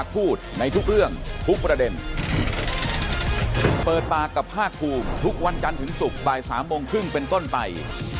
โปรดติดตามตอนต่อไป